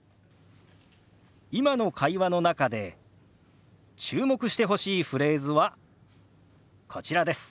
今の会話の中で注目してほしいフレーズはこちらです。